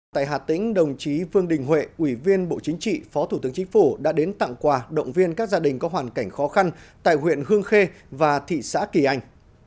tại hà tĩnh đồng chí vương đình huệ ủy viên bộ chính trị phó thủ tướng chính phủ đã đến tặng quà động viên các gia đình có hoàn cảnh khó khăn tại huyện hương khê và thị xã kỳ anh